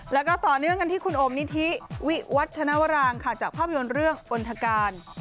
แล้วก็ต่อเนื่องกันที่คุณโอมนิธิวิวัฒนวรางค่ะจากภาพยนตร์เรื่องอลธการ